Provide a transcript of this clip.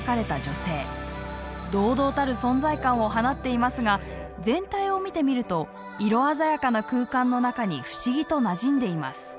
堂々たる存在感を放っていますが全体を見てみると色鮮やかな空間の中に不思議となじんでいます。